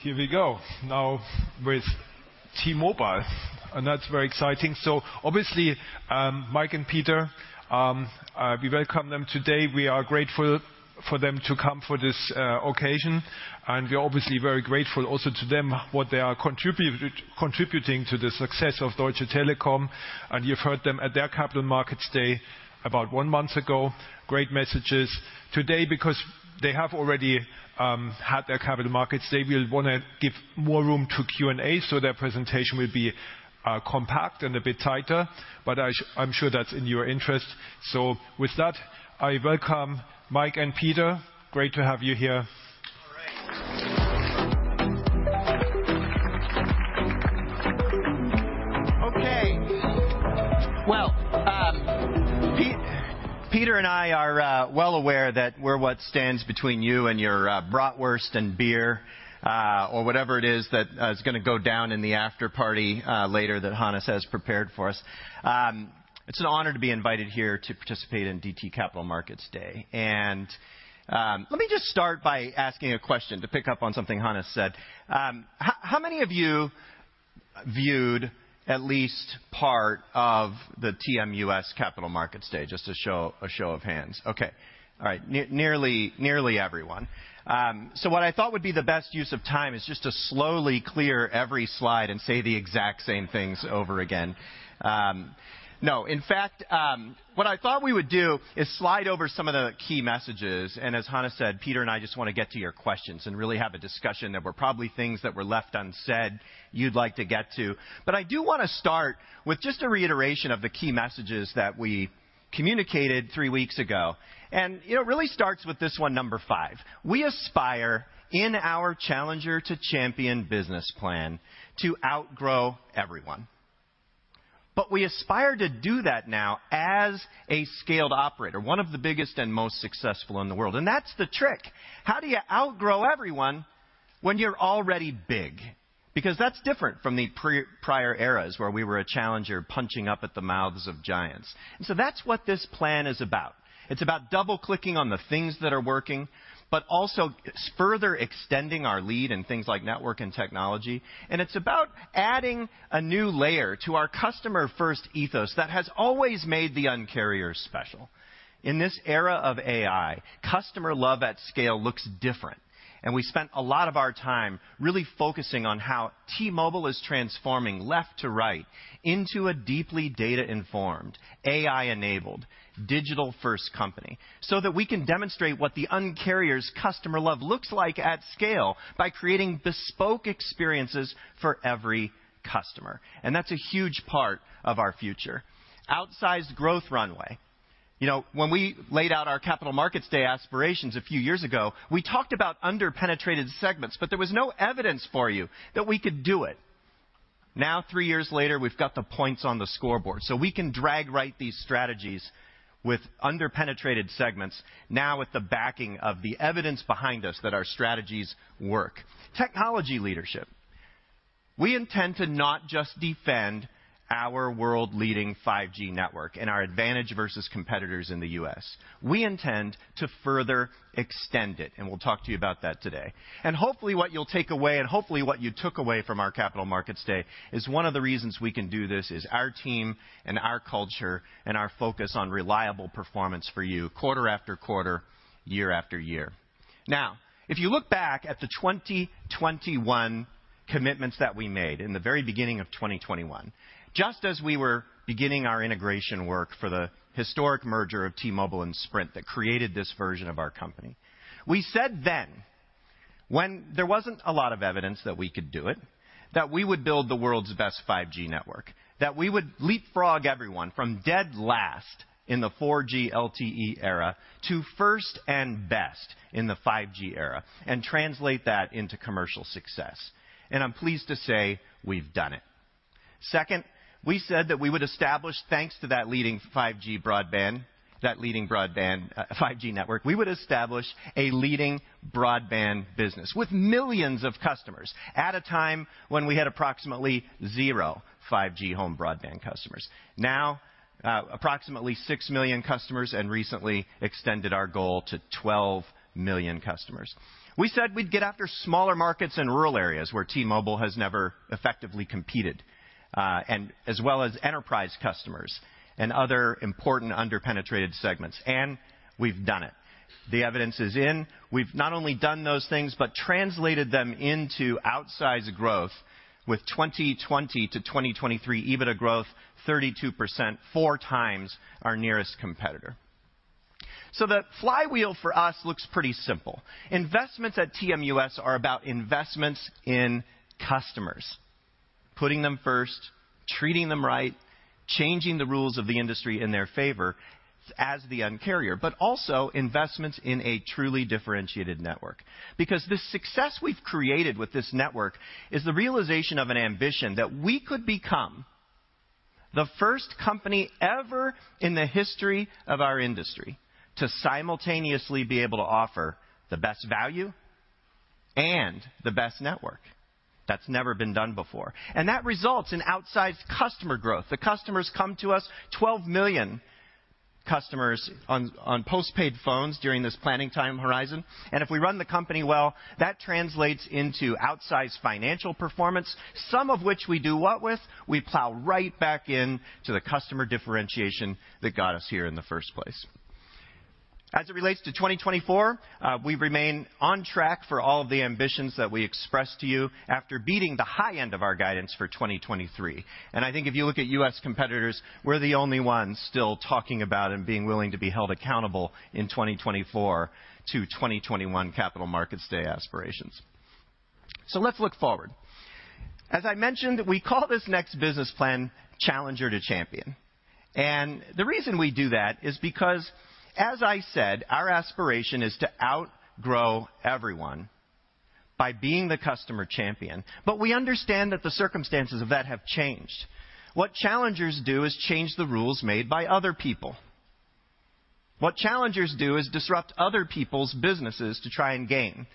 ...Here we go, now with T-Mobile, and that's very exciting, so obviously, Mike and Peter, we welcome them today. We are grateful for them to come for this occasion, and we are obviously very grateful also to them, what they are contributing to the success of Deutsche Telekom, and you've heard them at their Capital Markets Day about one month ago. Great messages. Today, because they have already had their Capital Markets Day, we'll want to give more room to Q&A, so their presentation will be compact and a bit tighter, but I'm sure that's in your interest, so with that, I welcome Mike and Peter. Great to have you here. All right. Okay. Well, Peter and I are well aware that we're what stands between you and your bratwurst and beer or whatever it is that is gonna go down in the after-party later, that Hannes has prepared for us. It's an honor to be invited here to participate in DT Capital Markets Day. Let me just start by asking a question to pick up on something Hannes said. How many of you viewed at least part of the TMUS Capital Markets Day? Just a show of hands. Okay. All right. Nearly everyone. So what I thought would be the best use of time is just to slowly clear every slide and say the exact same things over again. No. In fact, what I thought we would do is slide over some of the key messages, and as Hannes said, Peter and I just want to get to your questions and really have a discussion. There were probably things that were left unsaid you'd like to get to. But I do want to start with just a reiteration of the key messages that we communicated three weeks ago. You know, it really starts with this one, number five. We aspire in our Challenger to Champion business plan to outgrow everyone. But we aspire to do that now as a scaled operator, one of the biggest and most successful in the world, and that's the trick. How do you outgrow everyone when you're already big? Because that's different from the prior eras, where we were a challenger punching up at the maws of giants. So that's what this plan is about. It's about double-clicking on the things that are working, but also further extending our lead in things like network and technology. And it's about adding a new layer to our customer first ethos that has always made the Un-carrier special. In this era of AI, customer love at scale looks different, and we spent a lot of our time really focusing on how T-Mobile is transforming left to right into a deeply data-informed, AI-enabled, digital-first company, so that we can demonstrate what the Un-carrier's customer love looks like at scale by creating bespoke experiences for every customer, and that's a huge part of our future. Outsized growth runway. You know, when we laid out our Capital Markets Day aspirations a few years ago, we talked about under-penetrated segments, but there was no evidence for you that we could do it. Now, three years later, we've got the points on the scoreboard, so we can drive right these strategies with under-penetrated segments, now with the backing of the evidence behind us that our strategies work. Technology leadership. We intend to not just defend our world-leading 5G network and our advantage versus competitors in the U.S., we intend to further extend it, and we'll talk to you about that today, and hopefully, what you'll take away, and hopefully what you took away from our Capital Markets Day, is one of the reasons we can do this is our team and our culture and our focus on reliable performance for you, quarter after quarter, year after year. Now, if you look back at the 2021 commitments that we made in the very beginning of 2021, just as we were beginning our integration work for the historic merger of T-Mobile and Sprint that created this version of our company. We said then, when there wasn't a lot of evidence that we could do it, that we would build the world's best 5G network, that we would leapfrog everyone from dead last in the 4G LTE era to first and best in the 5G era, and translate that into commercial success, and I'm pleased to say we've done it. Second, we said that we would establish, thanks to that leading 5G broadband... That leading broadband, 5G network, we would establish a leading broadband business with millions of customers at a time when we had approximately zero 5G home broadband customers. Now, approximately 6 million customers, and recently extended our goal to 12 million customers. We said we'd get after smaller markets in rural areas where T-Mobile has never effectively competed, and as well as enterprise customers and other important under-penetrated segments, and we've done it. The evidence is in. We've not only done those things, but translated them into outsized growth with 2020-2023 EBITDA growth 32%, 4x our nearest competitor. So the flywheel for us looks pretty simple. Investments at TMUS are about investments in customers, putting them first, treating them right, changing the rules of the industry in their favor as the Un-carrier, but also investments in a truly differentiated network. Because the success we've created with this network is the realization of an ambition that we could become the first company ever in the history of our industry to simultaneously be able to offer the best value and the best network. That's never been done before, and that results in outsized customer growth. The customers come to us, 12 million customers on postpaid phones during this planning time horizon. And if we run the company well, that translates into outsized financial performance, some of which we do what with? We plow right back in to the customer differentiation that got us here in the first place. As it relates to 2024, we remain on track for all of the ambitions that we expressed to you after beating the high end of our guidance for 2023. I think if you look at U.S. competitors, we're the only ones still talking about and being willing to be held accountable in 2024 to 2021 Capital Markets Day aspirations. So let's look forward. As I mentioned, we call this next business plan Challenger to Champion, and the reason we do that is because, as I said, our aspiration is to outgrow everyone by being the customer champion, but we understand that the circumstances of that have changed. What challengers do is change the rules made by other people. What challengers do is disrupt other people's businesses to try and gain.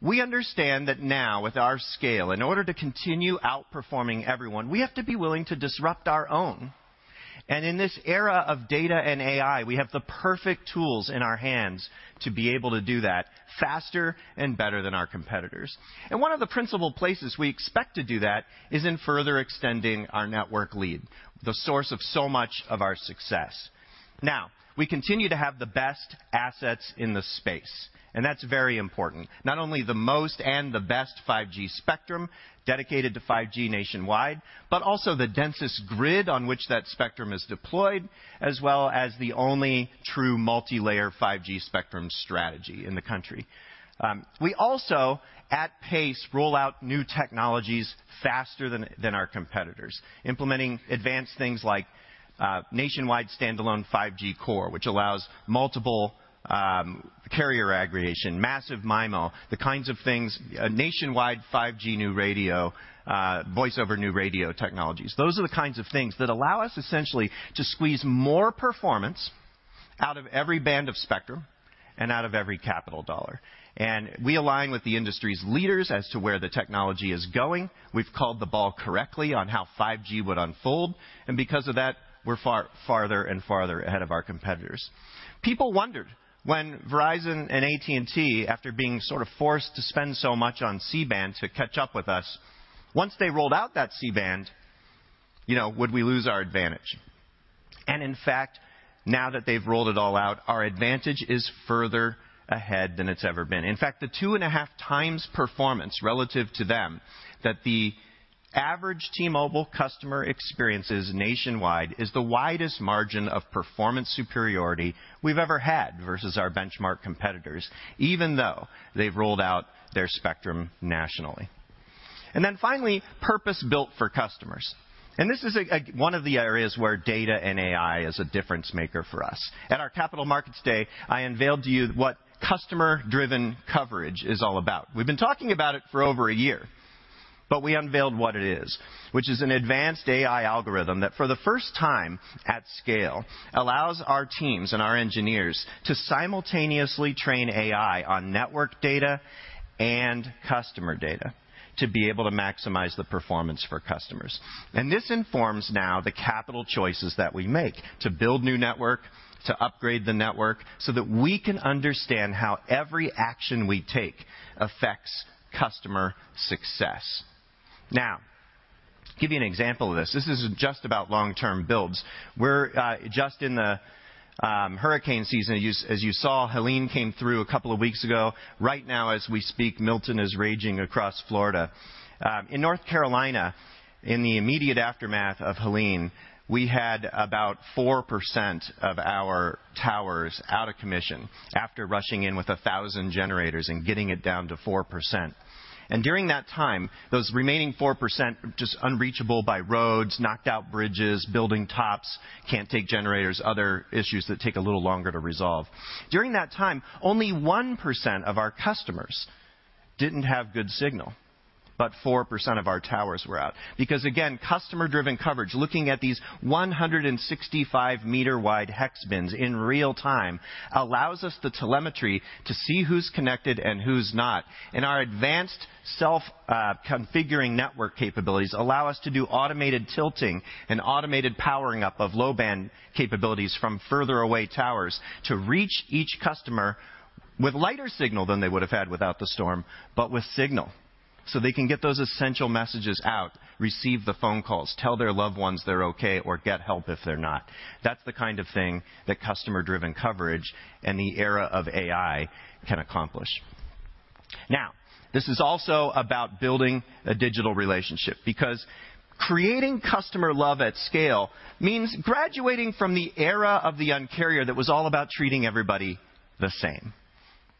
We understand that now, with our scale, in order to continue outperforming everyone, we have to be willing to disrupt our own. And in this era of data and AI, we have the perfect tools in our hands to be able to do that faster and better than our competitors. And one of the principal places we expect to do that is in further extending our network lead, the source of so much of our success. Now, we continue to have the best assets in the space, and that's very important. Not only the most and the best 5G spectrum dedicated to 5G nationwide, but also the densest grid on which that spectrum is deployed, as well as the only true multi-layer 5G spectrum strategy in the country. We also at pace roll out new technologies faster than our competitors, implementing advanced things like nationwide Standalone 5G core, which allows multiple carrier aggregation, Massive MIMO, the kinds of things... Nationwide 5G New Radio, Voice over New Radio technologies. Those are the kinds of things that allow us, essentially, to squeeze more performance out of every band of spectrum and out of every capital dollar. And we align with the industry's leaders as to where the technology is going. We've called the ball correctly on how 5G would unfold, and because of that, we're farther and farther ahead of our competitors. People wondered when Verizon and AT&T, after being sort of forced to spend so much on C-band to catch up with us, once they rolled out that C-band, you know, would we lose our advantage? And in fact, now that they've rolled it all out, our advantage is further ahead than it's ever been. In fact, the 2.5x performance relative to them, that the average T-Mobile customer experiences nationwide, is the widest margin of performance superiority we've ever had versus our benchmark competitors, even though they've rolled out their spectrum nationally. And then finally, purpose-built for customers, and this is one of the areas where data and AI is a difference maker for us. At our Capital Markets Day, I unveiled to you what Customer-Driven Coverage is all about. We've been talking about it for over a year, but we unveiled what it is, which is an advanced AI algorithm that, for the first time at scale, allows our teams and our engineers to simultaneously train AI on network data and customer data to be able to maximize the performance for customers. And this informs now the capital choices that we make to build new network, to upgrade the network, so that we can understand how every action we take affects customer success. Now, give you an example of this. This is just about long-term builds. We're just in the hurricane season. As you saw, Helene came through a couple of weeks ago. Right now, as we speak, Milton is raging across Florida. In North Carolina, in the immediate aftermath of Helene, we had about 4% of our towers out of commission after rushing in with a thousand generators and getting it down to 4%. And during that time, those remaining 4%, just unreachable by roads, knocked out bridges, building tops, can't take generators, other issues that take a little longer to resolve. During that time, only 1% of our customers didn't have good signal, but 4% of our towers were out. Because, again, Customer-Driven Coverage, looking at these 165 m wide hex bins in real time, allows us the telemetry to see who's connected and who's not. Our advanced self-configuring network capabilities allow us to do automated tilting and automated powering up of low-band capabilities from further away towers to reach each customer with lighter signal than they would have had without the storm, but with signal, so they can get those essential messages out, receive the phone calls, tell their loved ones they're okay, or get help if they're not. That's the kind of thing that Customer-Driven Coverage and the era of AI can accomplish. Now, this is also about building a digital relationship, because creating customer love at scale means graduating from the era of the Un-carrier that was all about treating everybody the same,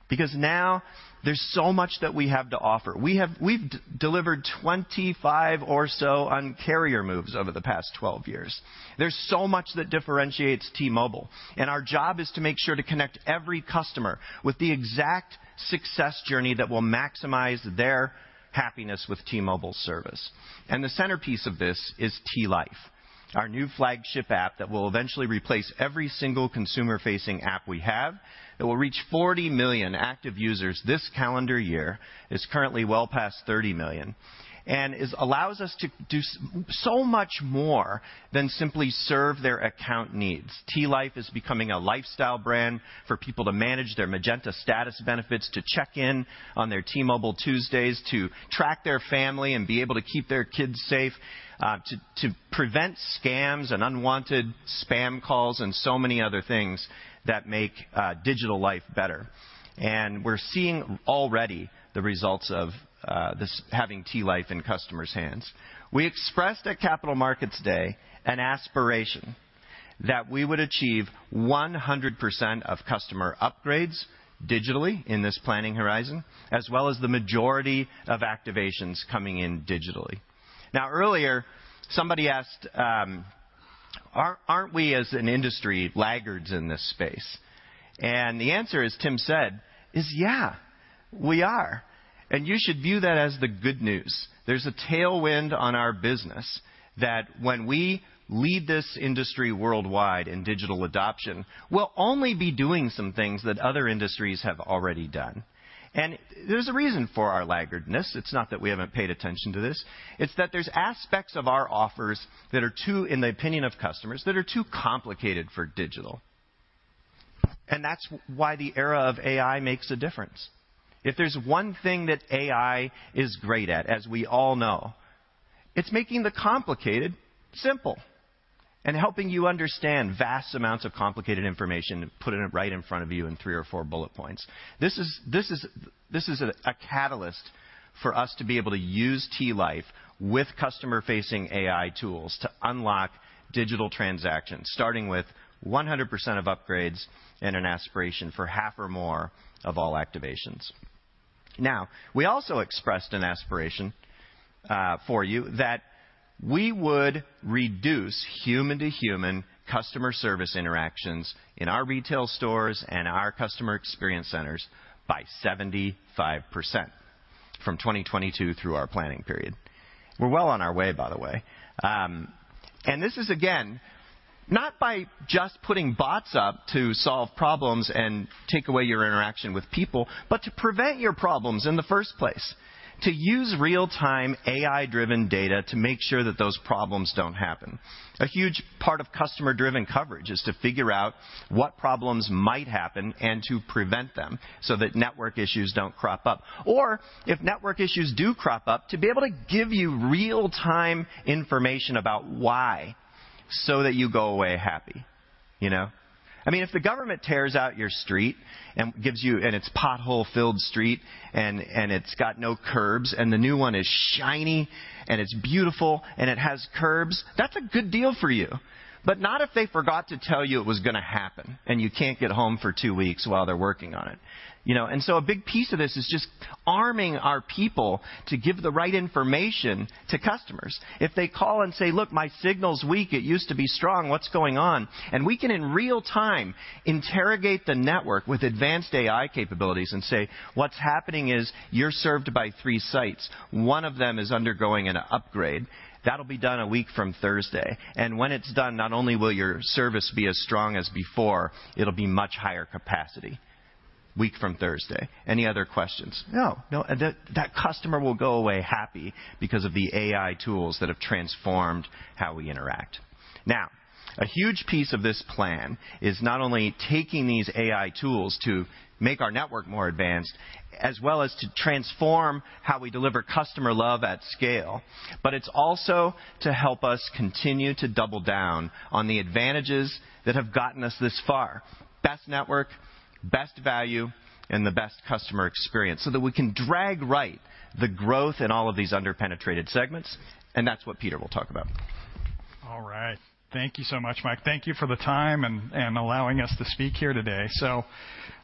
because now there's so much that we have to offer. We've delivered 25 or so Un-carrier moves over the past 12 years. There's so much that differentiates T-Mobile, and our job is to make sure to connect every customer with the exact success journey that will maximize their happiness with T-Mobile service. And the centerpiece of this is T-Life, our new flagship app that will eventually replace every single consumer-facing app we have. It will reach 40 million active users this calendar year. It's currently well past 30 million, and it allows us to do so much more than simply serve their account needs. T-Life is becoming a lifestyle brand for people to manage their Magenta Status benefits, to check in on their T-Mobile Tuesdays, to track their family and be able to keep their kids safe, to prevent scams and unwanted spam calls, and so many other things that make digital life better. And we're seeing already the results of this having T-Life in customers' hands. We expressed at Capital Markets Day an aspiration that we would achieve 100% of customer upgrades digitally in this planning horizon, as well as the majority of activations coming in digitally. Now, earlier, somebody asked, "Aren't we, as an industry, laggards in this space?" And the answer, as Tim said, is, yeah, we are, and you should view that as the good news. There's a tailwind on our business that when we lead this industry worldwide in digital adoption, we'll only be doing some things that other industries have already done, and there's a reason for our laggardness. It's not that we haven't paid attention to this. It's that there's aspects of our offers that are too, in the opinion of customers, that are too complicated for digital, and that's why the era of AI makes a difference. If there's one thing that AI is great at, as we all know, it's making the complicated, simple, and helping you understand vast amounts of complicated information, putting it right in front of you in three or four bullet points. This is a catalyst for us to be able to use T-Life with customer-facing AI tools to unlock digital transactions, starting with 100% of upgrades and an aspiration for half or more of all activations. Now, we also expressed an aspiration, for you that we would reduce human-to-human customer service interactions in our retail stores and our customer experience centers by 75% from 2022 through our planning period. We're well on our way, by the way, and this is again, not by just putting bots up to solve problems and take away your interaction with people, but to prevent your problems in the first place. To use real-time, AI-driven data to make sure that those problems don't happen. A huge part of Customer-Driven Coverage is to figure out what problems might happen and to prevent them, so that network issues don't crop up. Or if network issues do crop up, to be able to give you real-time information about why, so that you go away happy. You know? I mean, if the government tears out your street and gives you... and it's pothole-filled street, and it's got no curbs, and the new one is shiny, and it's beautiful, and it has curbs, that's a good deal for you. But not if they forgot to tell you it was gonna happen, and you can't get home for two weeks while they're working on it, you know? And so a big piece of this is just arming our people to give the right information to customers. If they call and say, "Look, my signal's weak. It used to be strong. What's going on?" And we can, in real time, interrogate the network with advanced AI capabilities and say, "What's happening is you're served by three sites. One of them is undergoing an upgrade. That'll be done a week from Thursday. And when it's done, not only will your service be as strong as before, it'll be much higher capacity, a week from Thursday. Any other questions?" "No." No, that, that customer will go away happy because of the AI tools that have transformed how we interact. Now, a huge piece of this plan is not only taking these AI tools to make our network more advanced, as well as to transform how we deliver customer love at scale, but it's also to help us continue to double down on the advantages that have gotten us this far: best network, best value, and the best customer experience, so that we can drive the growth in all of these underpenetrated segments, and that's what Peter will talk about. All right. Thank you so much, Mike. Thank you for the time and allowing us to speak here today. So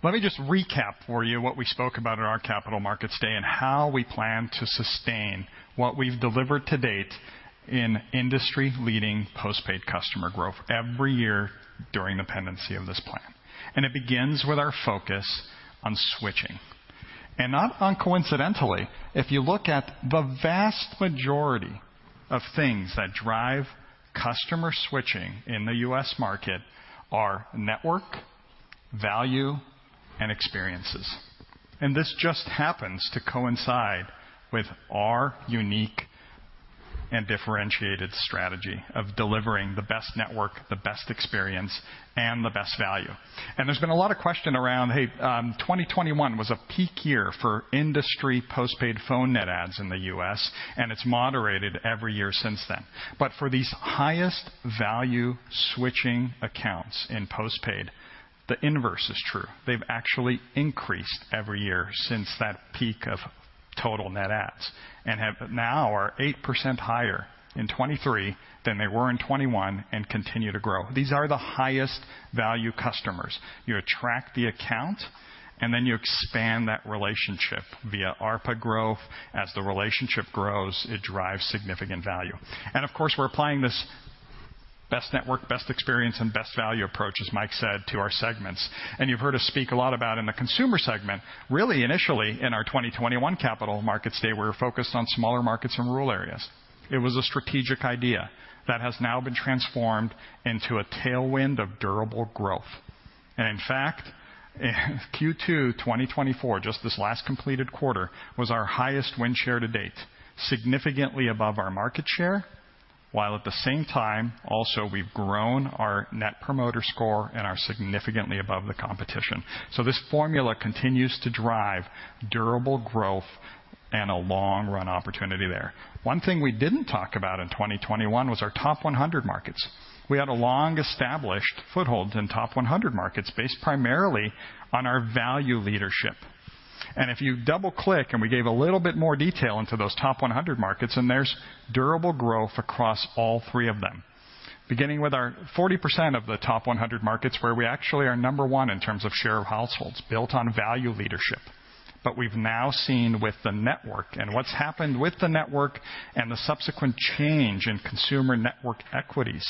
let me just recap for you what we spoke about at our Capital Markets Day and how we plan to sustain what we've delivered to date in industry-leading, postpaid customer growth every year during the pendency of this plan. And it begins with our focus on switching. And not uncoincidentally, if you look at the vast majority of things that drive customer switching in the U.S. market are network, value, and experiences. And this just happens to coincide with our unique and differentiated strategy of delivering the best network, the best experience, and the best value. And there's been a lot of question around, hey, 2021 was a peak year for industry postpaid phone net adds in the U.S., and it's moderated every year since then. But for these highest-value switching accounts in postpaid, the inverse is true. They've actually increased every year since that peak of total net adds, and have now are 8% higher in 2023 than they were in 2021, and continue to grow. These are the highest-value customers. You attract the account, and then you expand that relationship via ARPA growth. As the relationship grows, it drives significant value. And of course, we're applying this best network, best experience, and best value approach, as Mike said, to our segments. And you've heard us speak a lot about in the consumer segment, really initially in our 2021 Capital Markets Day, we were focused on smaller markets in rural areas. It was a strategic idea that has now been transformed into a tailwind of durable growth.... In fact, Q2 2024, just this last completed quarter, was our highest win share to date, significantly above our market share, while at the same time, also, we've grown our Net Promoter Score and are significantly above the competition. So this formula continues to drive durable growth and a long-run opportunity there. One thing we didn't talk about in 2021 was our top 100 markets. We had a long-established foothold in top 100 markets, based primarily on our value leadership. And if you double-click, and we gave a little bit more detail into those top 100 markets, and there's durable growth across all three of them. Beginning with our 40% of the top 100 markets, where we actually are number one in terms of share of households built on value leadership. But we've now seen with the network and what's happened with the network and the subsequent change in consumer network equities,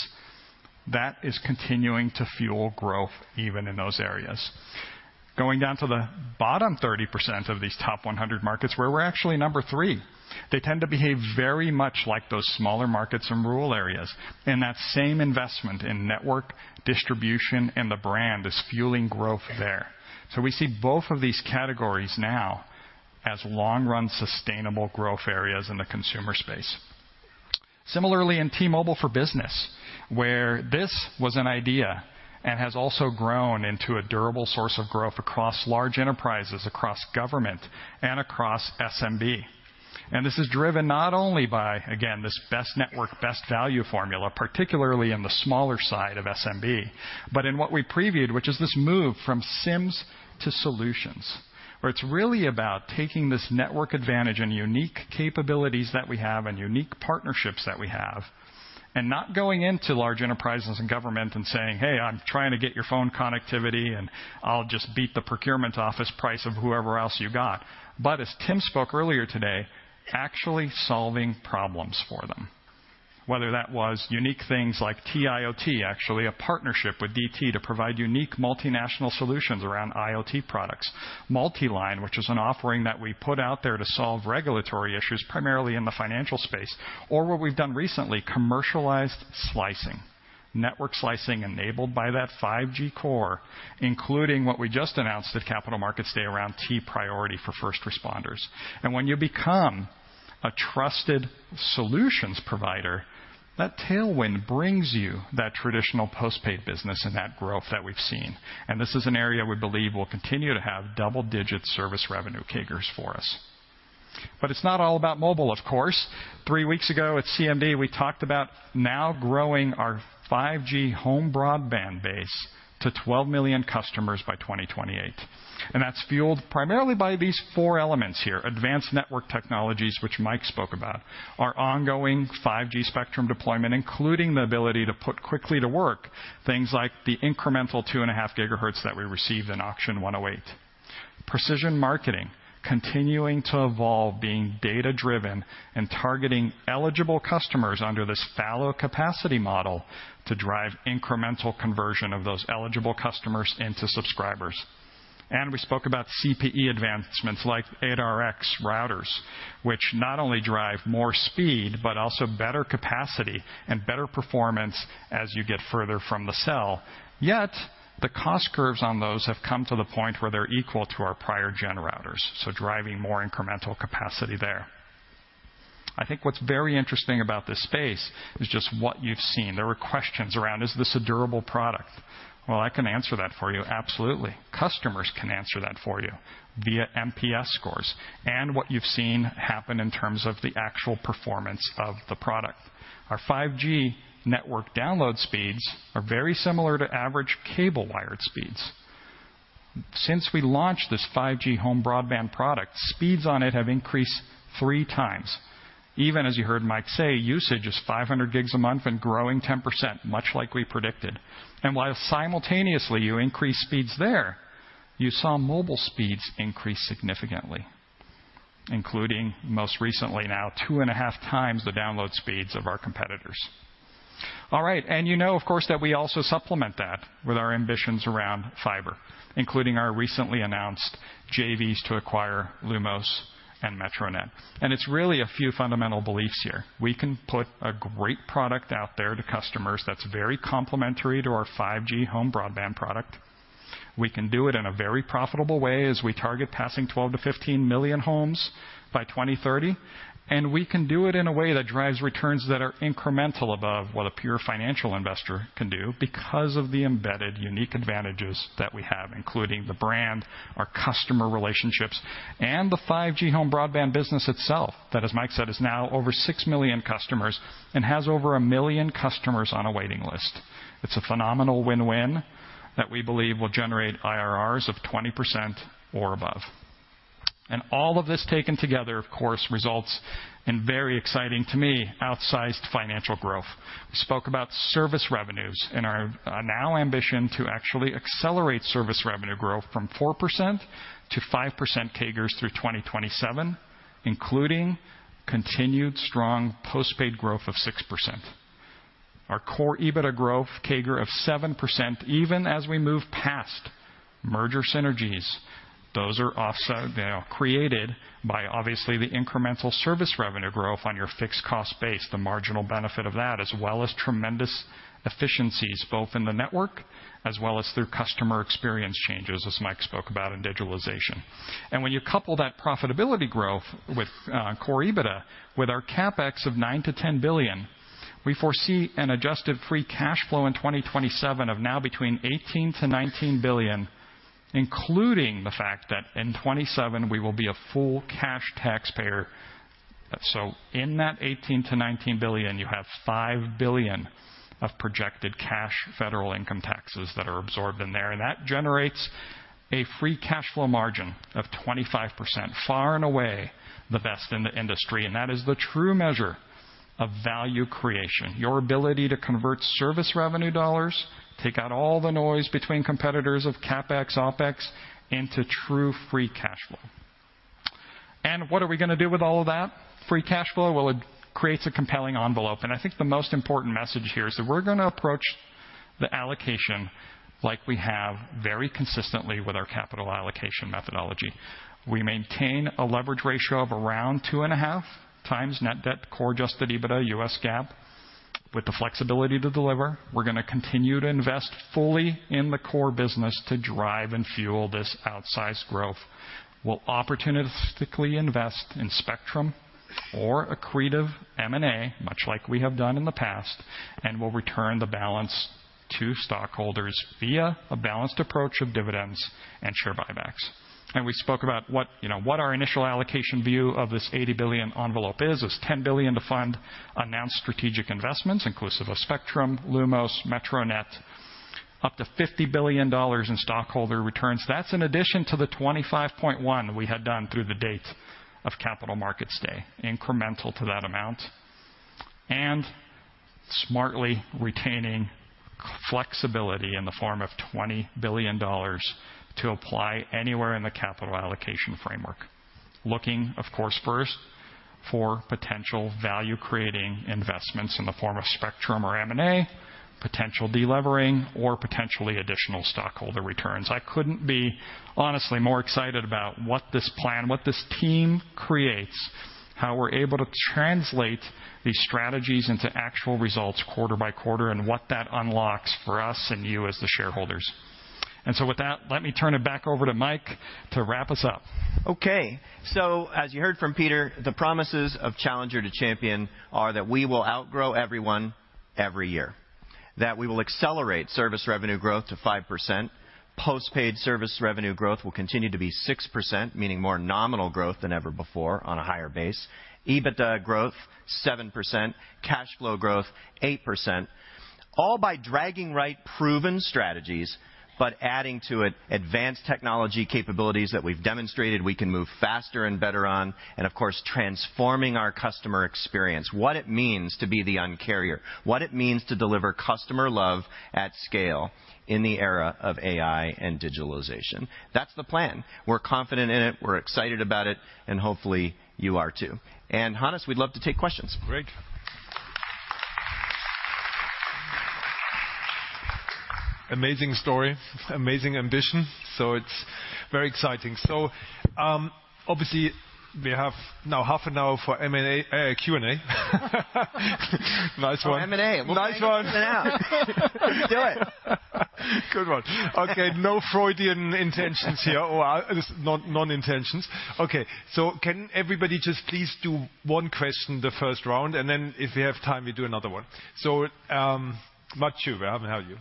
that is continuing to fuel growth even in those areas. Going down to the bottom 30% of these top 100 markets, where we're actually number three, they tend to behave very much like those smaller markets in rural areas, and that same investment in network distribution and the brand is fueling growth there. So we see both of these categories now as long-run, sustainable growth areas in the consumer space. Similarly, in T-Mobile for Business, where this was an idea and has also grown into a durable source of growth across large enterprises, across government, and across SMB. And this is driven not only by, again, this best network, best value formula, particularly in the smaller side of SMB, but in what we previewed, which is this move from SIMs to solutions. Where it's really about taking this network advantage and unique capabilities that we have and unique partnerships that we have, and not going into large enterprises and government and saying, "Hey, I'm trying to get your phone connectivity, and I'll just beat the procurement office price of whoever else you got." But as Tim spoke earlier today, actually solving problems for them, whether that was unique things like T-IoT, actually a partnership with DT to provide unique multinational solutions around IoT products. MultiLine, which is an offering that we put out there to solve regulatory issues, primarily in the financial space, or what we've done recently, commercialized slicing. Network slicing enabled by that 5G core, including what we just announced at Capital Markets Day around T-Priority for first responders. And when you become a trusted solutions provider, that tailwind brings you that traditional postpaid business and that growth that we've seen. And this is an area we believe will continue to have double-digit service revenue CAGRs for us. But it's not all about mobile, of course. Three weeks ago at CMD, we talked about now growing our 5G home broadband base to 12 million customers by 2028, and that's fueled primarily by these four elements here: advanced network technologies, which Mike spoke about, our ongoing 5G spectrum deployment, including the ability to put quickly to work things like the incremental 2.5 GHz that we received in Auction 108. Precision marketing, continuing to evolve, being data-driven and targeting eligible customers under this fallow capacity model to drive incremental conversion of those eligible customers into subscribers. We spoke about CPE advancements like 8Rx routers, which not only drive more speed, but also better capacity and better performance as you get further from the cell. Yet, the cost curves on those have come to the point where they're equal to our prior gen routers, so driving more incremental capacity there. I think what's very interesting about this space is just what you've seen. There were questions around: Is this a durable product? Well, I can answer that for you. Absolutely. Customers can answer that for you via NPS scores and what you've seen happen in terms of the actual performance of the product. Our 5G network download speeds are very similar to average cable-wired speeds. Since we launched this 5G home broadband product, speeds on it have increased 3x. Even as you heard Mike say, usage is 500 gigs a month and growing 10%, much like we predicted. While simultaneously you increase speeds there, you saw mobile speeds increase significantly, including, most recently now, 2.5x the download speeds of our competitors. All right, and you know, of course, that we also supplement that with our ambitions around fiber, including our recently announced JVs to acquire Lumos and Metronet. It's really a few fundamental beliefs here. We can put a great product out there to customers that's very complementary to our 5G home broadband product. We can do it in a very profitable way as we target passing 12 million-15 million homes by 2030, and we can do it in a way that drives returns that are incremental above what a pure financial investor can do because of the embedded unique advantages that we have, including the brand, our customer relationships, and the 5G home broadband business itself, that, as Mike said, is now over 6 million customers and has over a million customers on a waiting list. It's a phenomenal win-win that we believe will generate IRRs of 20% or above. And all of this taken together, of course, results in, very exciting to me, outsized financial growth. We spoke about service revenues and our now ambition to actually accelerate service revenue growth from 4% to 5% CAGRs through 2027, including continued strong postpaid growth of 6%. Our Core EBITDA growth CAGR of 7%, even as we move past merger synergies, those are offset, they are created by obviously the incremental service revenue growth on your fixed cost base, the marginal benefit of that, as well as tremendous efficiencies, both in the network as well as through customer experience changes, as Mike spoke about, in digitalization. And when you couple that profitability growth with Core EBITDA, with our CapEx of $9-10 billion, we foresee an Adjusted Free Cash Flow in 2027 of now between $18 billion-19 billion, including the fact that in 2027, we will be a full cash taxpayer. In that $18 billion-$19 billion, you have $5 billion of projected cash federal income taxes that are absorbed in there, and that generates a free cash flow margin of 25%, far and away the best in the industry. That is the true measure of value creation, your ability to convert service revenue dollars, take out all the noise between competitors of CapEx, OpEx, into true free cash flow. What are we gonna do with all of that free cash flow? It creates a compelling envelope, and I think the most important message here is that we're gonna approach the allocation like we have very consistently with our capital allocation methodology. We maintain a leverage ratio of around 2.5x net debt, Core Adjusted EBITDA, U.S. GAAP, with the flexibility to deliver. We're gonna continue to invest fully in the core business to drive and fuel this outsized growth. We'll opportunistically invest in spectrum or accretive M&A, much like we have done in the past, and we'll return the balance to stockholders via a balanced approach of dividends and share buybacks, and we spoke about what, you know, what our initial allocation view of this $80 billion envelope is. It's $10 billion to fund announced strategic investments, inclusive of spectrum, Lumos, Metronet, up to $50 billion in stockholder returns. That's in addition to the $25.1 billion we had done through the date of Capital Markets Day, incremental to that amount, and smartly retaining flexibility in the form of $20 billion to apply anywhere in the capital allocation framework. Looking, of course, first for potential value-creating investments in the form of spectrum or M&A, potential delevering, or potentially additional stockholder returns. I couldn't be honestly more excited about what this plan, what this team creates, how we're able to translate these strategies into actual results quarter by quarter, and what that unlocks for us and you as the shareholders. And so with that, let me turn it back over to Mike to wrap us up. Okay. So as you heard from Peter, the promises of Challenger to Champion are that we will outgrow everyone every year, that we will accelerate service revenue growth to 5%. Postpaid service revenue growth will continue to be 6%, meaning more nominal growth than ever before on a higher base. EBITDA growth, 7%, cash flow growth, 8%, all by doubling down on tried-and-true proven strategies, but adding to it advanced technology capabilities that we've demonstrated we can move faster and better on, and of course, transforming our customer experience, what it means to be the Un-carrier, what it means to deliver customer love at scale in the era of AI and digitalization. That's the plan. We're confident in it, we're excited about it, and hopefully, you are, too. And Hannes, we'd love to take questions. Great. Amazing story, amazing ambition, so it's very exciting. So, obviously, we have now half an hour for M&A, Q&A. Nice one. For M&A. Nice one! Let's do it. Good one. Okay, no Freudian intentions here, or non-intentions. Okay, so can everybody just please do one question the first round, and then if we have time, we do another one. So, Mathieu, we have you.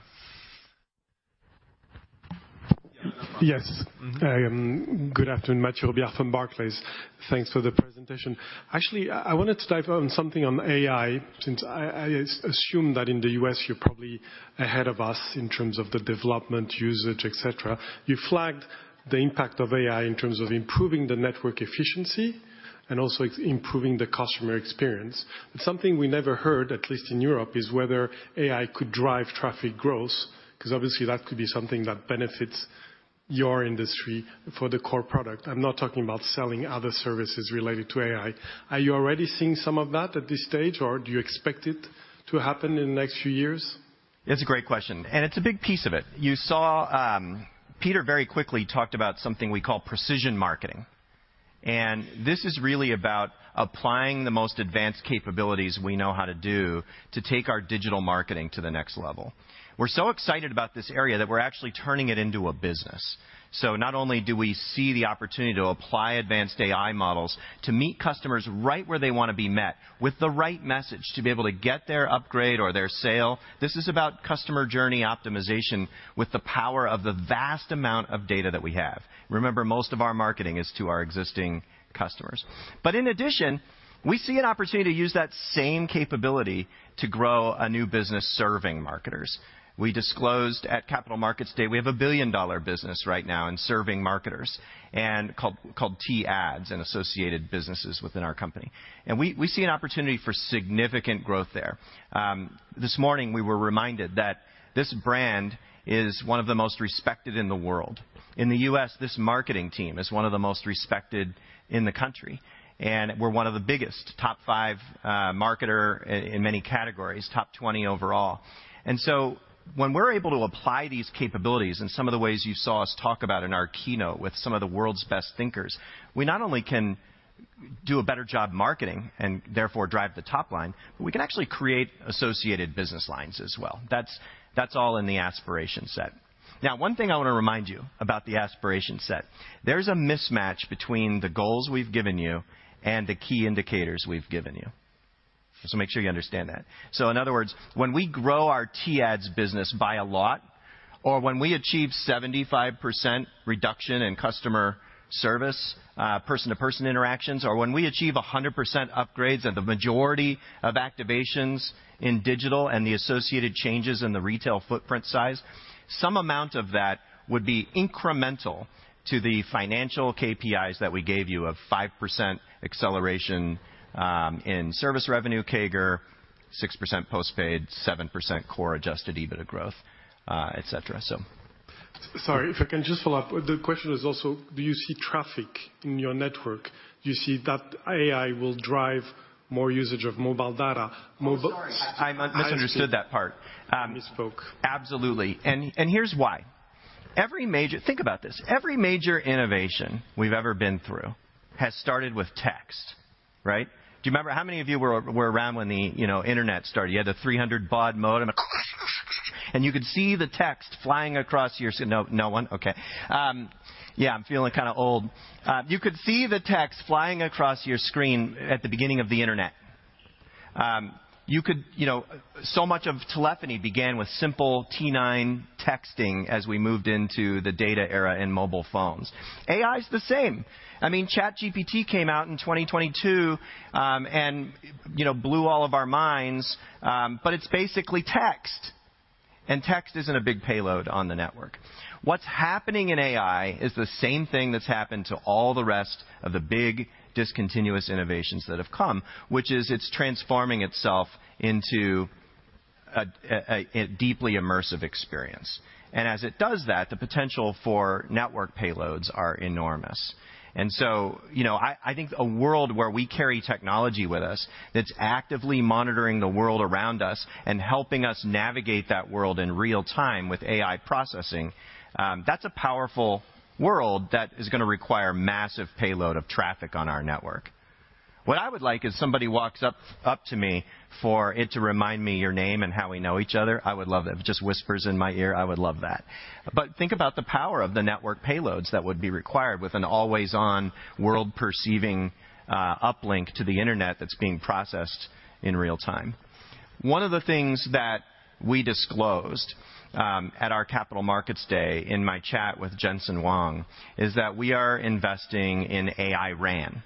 Yes. Mm-hmm. Good afternoon. Mathieu Robilliard from Barclays. Thanks for the presentation. Actually, I wanted to dive on something on AI, since I assume that in the U.S., you're probably ahead of us in terms of the development, usage, et cetera. You flagged the impact of AI in terms of improving the network efficiency and also improving the customer experience. But something we never heard, at least in Europe, is whether AI could drive traffic growth, 'cause obviously, that could be something that benefits your industry for the core product. I'm not talking about selling other services related to AI. Are you already seeing some of that at this stage, or do you expect it to happen in the next few years? It's a great question, and it's a big piece of it. You saw Peter very quickly talked about something we call precision marketing, and this is really about applying the most advanced capabilities we know how to do to take our digital marketing to the next level. We're so excited about this area, that we're actually turning it into a business. So not only do we see the opportunity to apply advanced AI models to meet customers right where they want to be met, with the right message to be able to get their upgrade or their sale, this is about customer journey optimization with the power of the vast amount of data that we have. Remember, most of our marketing is to our existing customers. But in addition, we see an opportunity to use that same capability to grow a new business serving marketers. We disclosed at Capital Markets Day, we have a billion-dollar business right now in serving marketers and called T-Ads and associated businesses within our company, and we see an opportunity for significant growth there. This morning, we were reminded that this brand is one of the most respected in the world. In the U.S., this marketing team is one of the most respected in the country, and we're one of the biggest, top five marketer in many categories, top twenty overall. And so when we're able to apply these capabilities in some of the ways you saw us talk about in our keynote with some of the world's best thinkers, we not only can do a better job marketing and therefore drive the top line, but we can actually create associated business lines as well. That's all in the aspiration set. Now, one thing I wanna remind you about the aspiration set, there's a mismatch between the goals we've given you and the key indicators we've given you, so make sure you understand that. So in other words, when we grow our T-Ads business by a lot, or when we achieve 75% reduction in customer service, person-to-person interactions, or when we achieve 100% upgrades of the majority of activations in digital and the associated changes in the retail footprint size, some amount of that would be incremental to the financial KPIs that we gave you of 5% acceleration, in service revenue CAGR, 6% postpaid, 7% Core Adjusted EBITDA growth, et cetera, so. Sorry, if I can just follow up. The question is also: Do you see traffic in your network? Do you see that AI will drive more usage of mobile data? Mobile- I'm sorry. I misunderstood that part. I misspoke. Absolutely. And here's why. Every major... Think about this, every major innovation we've ever been through has started with text, right? Do you remember-- How many of you were around when the, you know, internet started? You had a 300 baud modem, and you could see the text flying across your s- No, no one? Okay. Yeah, I'm feeling kinda old. You could see the text flying across your screen at the beginning of the internet. You could, you know, so much of telephony began with simple T9 texting as we moved into the data era in mobile phones. AI is the same. I mean, ChatGPT came out in 2022, and, you know, blew all of our minds, but it's basically text, and text isn't a big payload on the network. What's happening in AI is the same thing that's happened to all the rest of the big discontinuous innovations that have come, which is it's transforming itself into a deeply immersive experience. And as it does that, the potential for network payloads are enormous. And so, you know, I think a world where we carry technology with us, that's actively monitoring the world around us and helping us navigate that world in real time with AI processing, that's a powerful world that is gonna require massive payload of traffic on our network. What I would like is somebody walks up to me for it to remind me your name and how we know each other. I would love it. If it just whispers in my ear, I would love that. But think about the power of the network payloads that would be required with an always-on world perceiving uplink to the internet that's being processed in real time. One of the things that we disclosed at our Capital Markets Day in my chat with Jensen Huang is that we are investing in AI-RAN.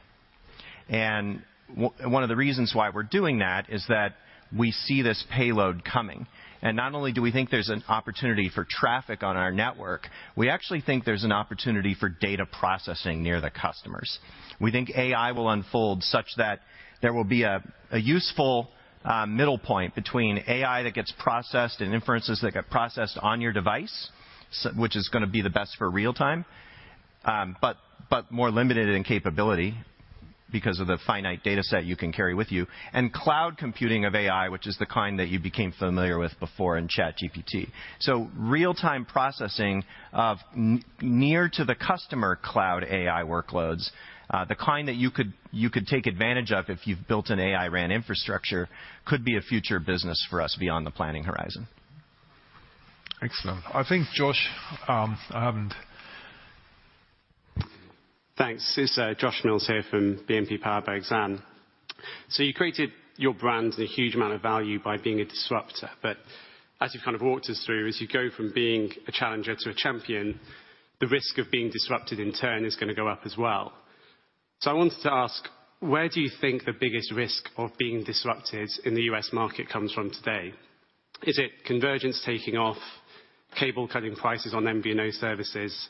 And one of the reasons why we're doing that is that we see this payload coming, and not only do we think there's an opportunity for traffic on our network, we actually think there's an opportunity for data processing near the customers. We think AI will unfold such that there will be a useful middle point between AI that gets processed and inferences that get processed on your device, which is gonna be the best for real-time, but more limited in capability because of the finite data set you can carry with you, and cloud computing of AI, which is the kind that you became familiar with before in ChatGPT. So real-time processing of near to the customer cloud AI workloads, the kind that you could take advantage of if you've built an AI-RAN infrastructure, could be a future business for us beyond the planning horizon. Excellent. I think, Josh, and... Thanks. It's Josh Mills here from BNP Paribas Exane. So you created your brand and a huge amount of value by being a disruptor, but as you've kind of walked us through, as you go from being a Challenger to Champion, the risk of being disrupted in turn is gonna go up as well. So I wanted to ask, where do you think the biggest risk of being disrupted in the U.S. market comes from today? Is it convergence taking off, cable-cutting prices on MVNO services,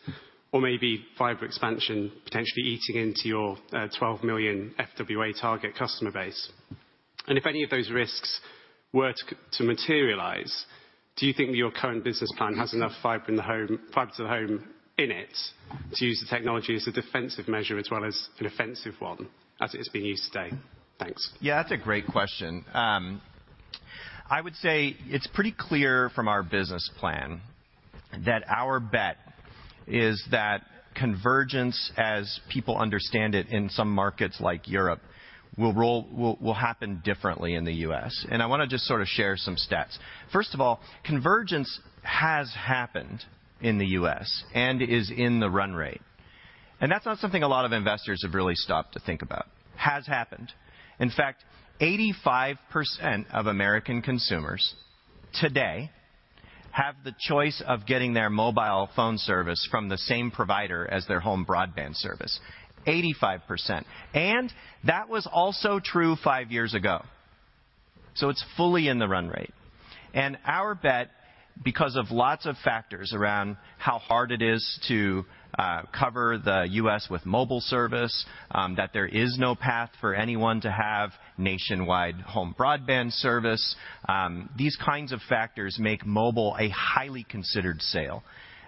or maybe fiber expansion potentially eating into your 12 million FWA target customer base? If any of those risks were to materialize, do you think your current business plan has enough fiber in the home, fiber to the home in it, to use the technology as a defensive measure as well as an offensive one, as it is being used today? Thanks. Yeah, that's a great question. I would say it's pretty clear from our business plan that our bet is that convergence, as people understand it in some markets like Europe, will happen differently in the U.S., and I wanna just sort of share some stats. First of all, convergence has happened in the U.S. and is in the run rate, and that's not something a lot of investors have really stopped to think about. Has happened. In fact, 85% of American consumers today have the choice of getting their mobile phone service from the same provider as their home broadband service, 85%. That was also true five years ago. It's fully in the run rate. Our bet, because of lots of factors around how hard it is to cover the U.S. with mobile service, that there is no path for anyone to have nationwide home broadband service. These kinds of factors make mobile a highly considered sale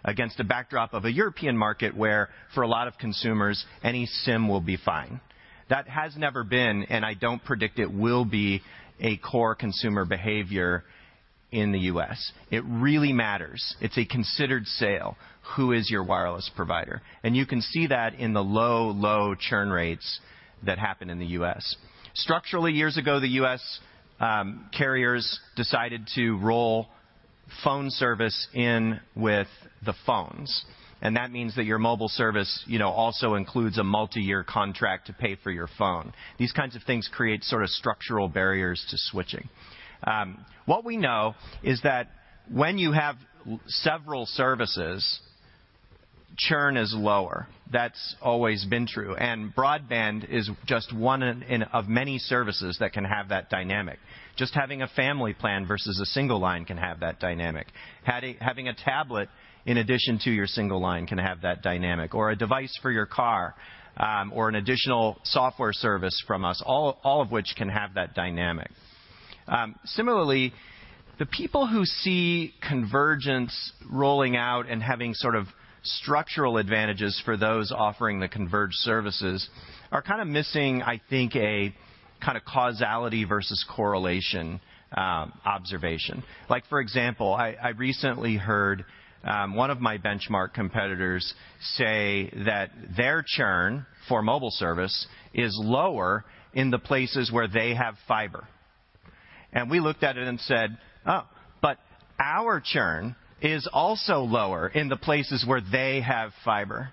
against the backdrop of a European market, where, for a lot of consumers, any SIM will be fine. That has never been, and I don't predict it will be, a core consumer behavior in the U.S. It really matters. It's a considered sale. Who is your wireless provider? And you can see that in the low, low churn rates that happen in the U.S. Structurally, years ago, the U.S. carriers decided to roll phone service in with the phones, and that means that your mobile service, you know, also includes a multiyear contract to pay for your phone. These kinds of things create sort of structural barriers to switching. What we know is that when you have several services, churn is lower. That's always been true, and broadband is just one of many services that can have that dynamic. Just having a family plan versus a single line can have that dynamic. Having a tablet in addition to your single line, can have that dynamic, or a device for your car, or an additional software service from us, all of which can have that dynamic. Similarly, the people who see convergence rolling out and having sort of structural advantages for those offering the converged services, are kind of missing, I think, a kind of causality versus correlation observation. Like, for example, I recently heard one of my benchmark competitors say that their churn for mobile service is lower in the places where they have fiber. And we looked at it and said, "Oh, but our churn is also lower in the places where they have fiber."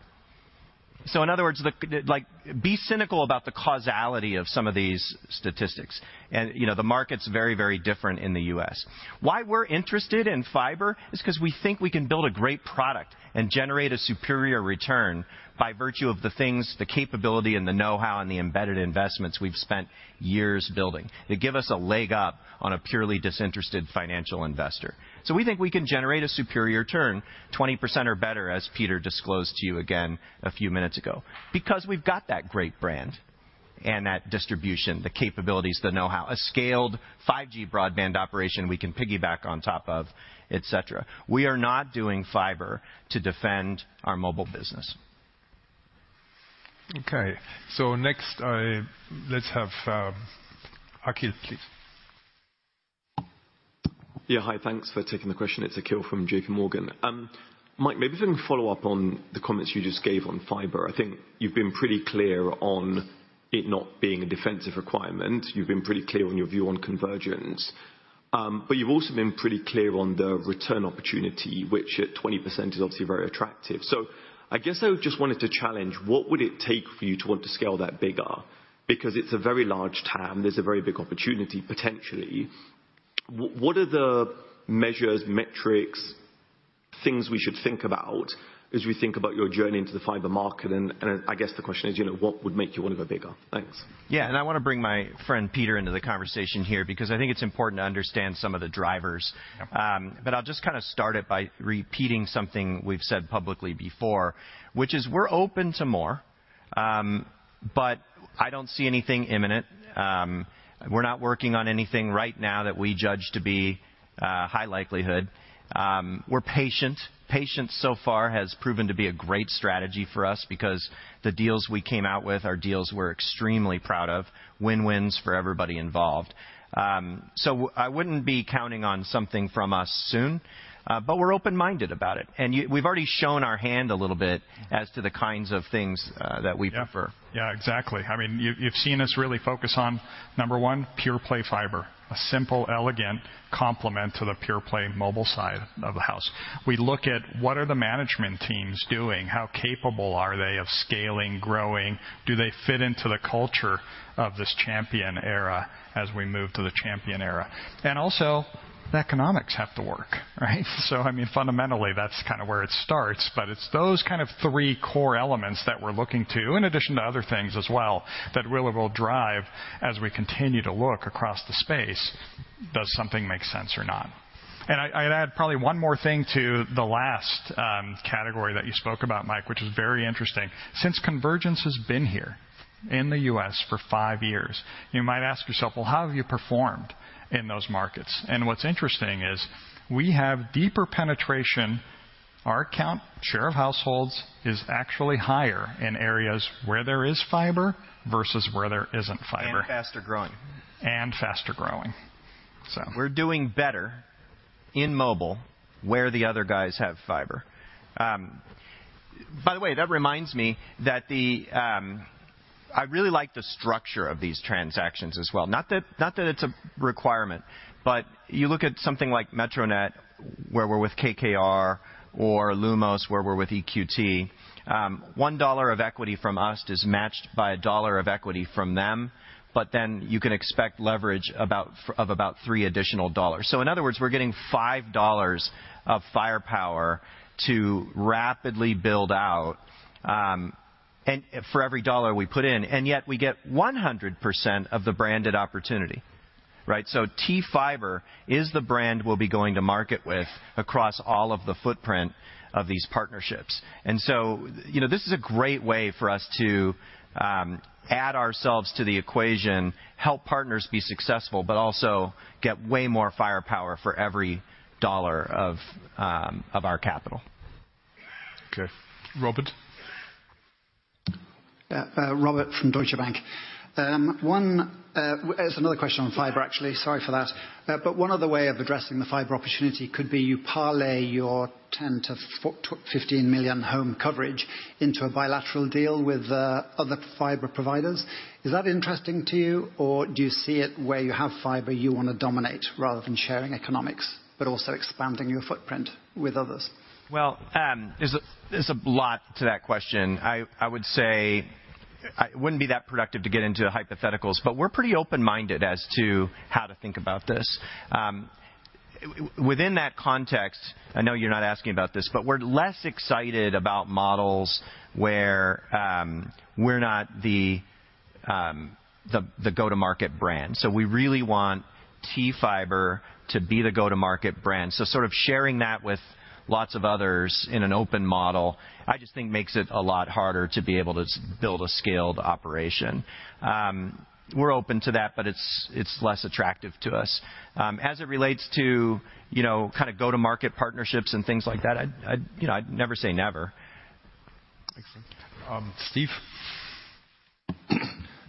So in other words, like, be cynical about the causality of some of these statistics. And, you know, the market's very, very different in the U.S. Why we're interested in fiber is because we think we can build a great product and generate a superior return by virtue of the things, the capability and the know-how, and the embedded investments we've spent years building. They give us a leg up on a purely disinterested financial investor. So we think we can generate a superior return, 20% or better, as Peter disclosed to you again a few minutes ago, because we've got that great brand and that distribution, the capabilities, the know-how, a scaled, 5G broadband operation we can piggyback on top of, et cetera. We are not doing fiber to defend our mobile business. Okay, so next, let's have Akhil, please. Yeah, hi. Thanks for taking the question. It's Akhil from JPMorgan. Mike, maybe if I can follow up on the comments you just gave on fiber. I think you've been pretty clear on it not being a defensive requirement. You've been pretty clear on your view on convergence. But you've also been pretty clear on the return opportunity, which at 20% is obviously very attractive. So I guess I just wanted to challenge, what would it take for you to want to scale that bigger? Because it's a very large TAM, there's a very big opportunity, potentially. What are the measures, metrics, things we should think about as we think about your journey into the fiber market? And I guess the question is, you know, what would make you want to go bigger? Thanks. Yeah, and I want to bring my friend Peter into the conversation here because I think it's important to understand some of the drivers. Yeah. But I'll just kind of start it by repeating something we've said publicly before, which is we're open to more, but I don't see anything imminent. We're not working on anything right now that we judge to be high likelihood. We're patient. Patience so far has proven to be a great strategy for us because the deals we came out with are deals we're extremely proud of, win-wins for everybody involved. So I wouldn't be counting on something from us soon, but we're open-minded about it. And we've already shown our hand a little bit as to the kinds of things that we prefer. Yeah. Yeah, exactly. I mean, you've, you've seen us really focus on, number one, pure play fiber, a simple, elegant complement to the pure play mobile side of the house. We look at what are the management teams doing? How capable are they of scaling, growing? Do they fit into the culture of this champion era as we move to the champion era? And also, the economics have to work, right? So I mean, fundamentally, that's kind of where it starts, but it's those kind of three core elements that we're looking to, in addition to other things as well, that really will drive as we continue to look across the space, does something make sense or not? And I, I'd add probably one more thing to the last category that you spoke about, Mike, which is very interesting. Since convergence has been here in the U.S. for five years, you might ask yourself, "Well, how have you performed in those markets?" And what's interesting is we have deeper penetration. Our account, share of households, is actually higher in areas where there is fiber versus where there isn't fiber. Faster growing. And faster growing, so. We're doing better in mobile where the other guys have fiber. By the way, that reminds me that I really like the structure of these transactions as well. Not that, not that it's a requirement, but you look at something like Metronet, where we're with KKR, or Lumos, where we're with EQT. $1 of equity from us is matched by $1 of equity from them, but then you can expect leverage of about $3 additional dollars. So in other words, we're getting $5 of firepower to rapidly build out and for every dollar we put in, and yet we get 100% of the branded opportunity, right? So T-Fiber is the brand we'll be going to market with across all of the footprint of these partnerships. And so, you know, this is a great way for us to add ourselves to the equation, help partners be successful, but also get way more firepower for every dollar of our capital. Okay, Robert?... Robert from Deutsche Bank. One, it's another question on fiber, actually. Sorry for that. But one other way of addressing the fiber opportunity could be you parlay your 10 million-15 million home coverage into a bilateral deal with other fiber providers. Is that interesting to you, or do you see it where you have fiber, you want to dominate rather than sharing economics, but also expanding your footprint with others? There's a lot to that question. I would say it wouldn't be that productive to get into hypotheticals, but we're pretty open-minded as to how to think about this. Within that context, I know you're not asking about this, but we're less excited about models where we're not the go-to-market brand. So we really want T-Fiber to be the go-to-market brand. So sort of sharing that with lots of others in an open model, I just think makes it a lot harder to be able to build a scaled operation. We're open to that, but it's less attractive to us. As it relates to, you know, kind of go-to-market partnerships and things like that, you know, I'd never say never. Excellent. Steve?